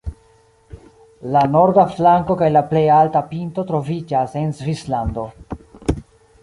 La norda flanko kaj la plej alta pinto troviĝas en Svislando.